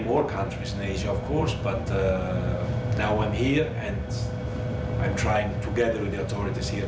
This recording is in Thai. ขอบคุณสบายสำคัญครับ